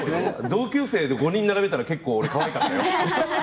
同級生で５人並べたら結構、俺かわいかったよ。